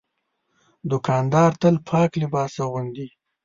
دوکاندار تل پاک لباس اغوندي.